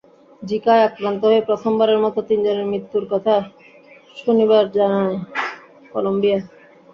জিকায় আক্রান্ত হয়ে প্রথমবারের মতো তিনজনের মৃত্যুর কথা শনিবার জানায় কলম্বিয়া।